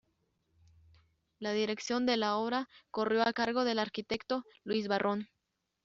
La dirección de la obra corrió a cargo del arquitecto Luis Barrón.